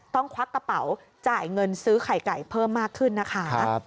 ควักกระเป๋าจ่ายเงินซื้อไข่ไก่เพิ่มมากขึ้นนะคะ